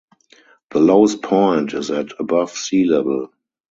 The lowest point is at above sea level.